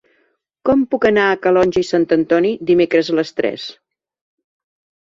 Com puc anar a Calonge i Sant Antoni dimecres a les tres?